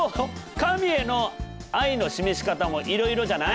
神への愛の示し方もいろいろじゃない？